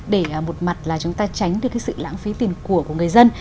để một mặt là chúng ta tránh được cái sự lãng phí tiền của người dân